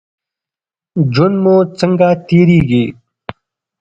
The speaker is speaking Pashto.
ژوند مو څنګه تیریږي؟